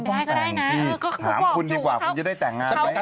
ไม่ต้องแต่งสิหาคุณดีกว่าคุณจะได้แต่งงานไว้